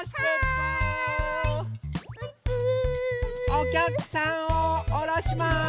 おきゃくさんをおろします。